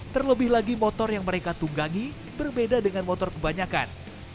terlebih lagi motor yang mereka tunggangi berbeda dengan motor kebanyakan